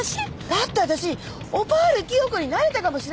だってわたしオパール清子になれたかもしれないのに。